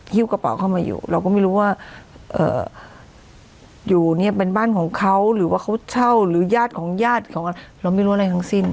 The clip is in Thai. กระเป๋าเข้ามาอยู่เราก็ไม่รู้ว่าอยู่เนี่ยเป็นบ้านของเขาหรือว่าเขาเช่าหรือญาติของญาติของเราไม่รู้อะไรทั้งสิ้น